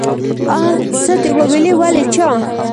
آ څه دې وويلې ولې چا.